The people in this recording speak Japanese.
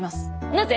なぜ？